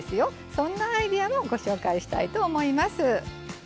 そんなアイデアもご紹介したいと思います。